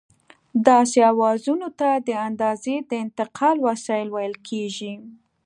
داسې اوزارونو ته د اندازې د انتقال وسایل ویل کېږي.